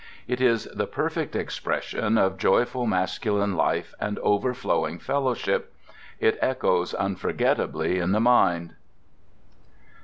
It is the perfect expression of joyful masculine life and overflowing fellowship. It echoes unforgettably in the mind.